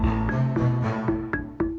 terima kasih bang